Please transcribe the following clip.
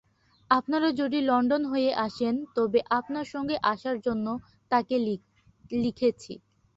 আপনারা যদি লণ্ডন হয়ে আসেন, তবে আপনার সঙ্গে আসার জন্য তাকে লিখেছি।